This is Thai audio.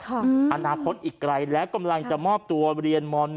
อนาคตอีกไกลและกำลังจะมอบตัวเรียนม๑